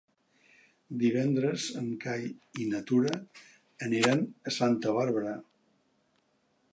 Divendres en Cai i na Tura aniran a Santa Bàrbara.